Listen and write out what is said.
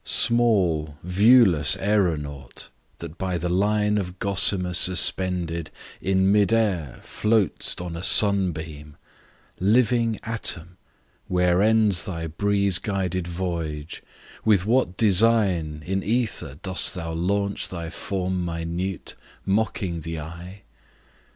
SMALL, viewless aeronaut, that by the line Of Gossamer suspended, in mid air Float'st on a sun beam Living atom, where Ends thy breeze guided voyage; with what design, In ether dost thou launch thy form minute, Mocking the eye?